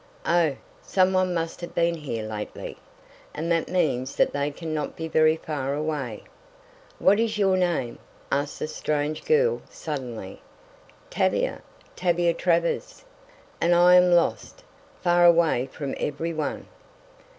Oh, some one must have been here lately, and that means that they can not be very far away now!" "What is your name?" asked the strange girl suddenly. "Tavia Tavia Travers. And I am lost far away from every one!"